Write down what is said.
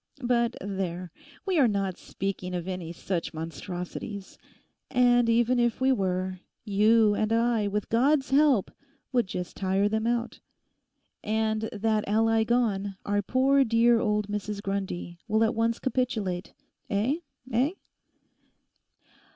But there—we are not speaking of any such monstrosities, and even if we were, you and I with God's help would just tire them out. And that ally gone, our poor dear old Mrs Grundy will at once capitulate. Eh? Eh?